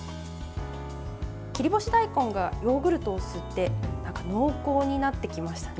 切り干し大根がヨーグルトを吸って濃厚になってきましたね。